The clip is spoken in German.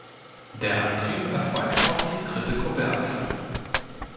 Der Antrieb erfolgt auf die dritte Kuppelachse.